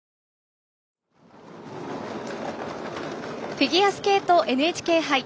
フィギュアスケートＮＨＫ杯。